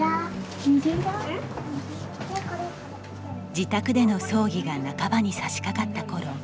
自宅での葬儀が半ばにさしかかったころ